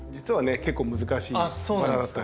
結構難しいバラだったりしますね。